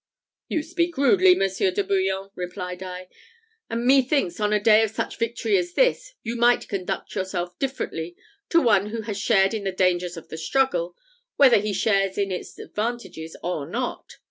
"You speak rudely, Monsieur de Bouillon," replied I; "and methinks on a day of such victory as this, you might conduct yourself differently to one who has shared in the dangers of the struggle, whether he shares in its advantages or not."